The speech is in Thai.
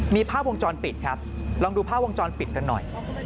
มีภาพวงจรปิดครับลองดูภาพวงจรปิดกันหน่อย